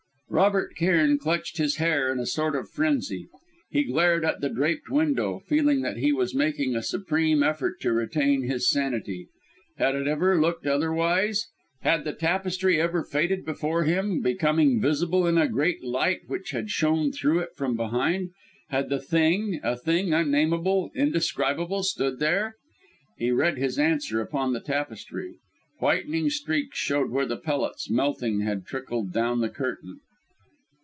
Robert Cairn clutched his hair in a sort of frenzy. He glared at the draped window, feeling that he was making a supreme effort to retain his sanity. Had it ever looked otherwise? Had the tapestry ever faded before him, becoming visible in a great light which had shone through it from behind? Had the Thing, a Thing unnameable, indescribable, stood there? He read his answer upon the tapestry. Whitening streaks showed where the pellets, melting, had trickled down the curtain!